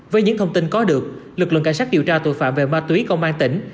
với những thông tin có được lực lượng cảnh sát điều tra tội phạm về ma túy công an tỉnh